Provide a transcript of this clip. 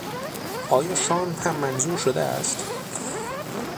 آیا شام هم منظور شده است؟